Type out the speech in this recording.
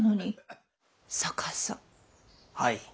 はい。